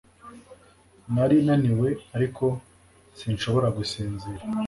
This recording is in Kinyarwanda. Nari naniwe ariko sinshobora gusinzira